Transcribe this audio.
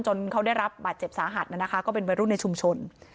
เขาได้รับบาดเจ็บสาหัสนะคะก็เป็นวัยรุ่นในชุมชน